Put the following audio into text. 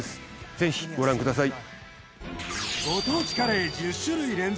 ぜひご覧ください